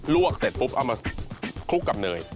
วกเสร็จปุ๊บเอามาคลุกกับเนย